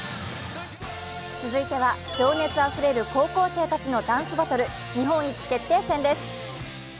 続いては情熱あふれる高校生たちのダンスバトル日本一決定戦です。